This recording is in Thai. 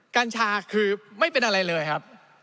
กัญชาคือไม่เป็นอะไรเลยครับ